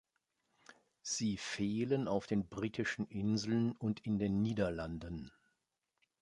Sie fehlen auf den Britischen Inseln und in den Niederlanden.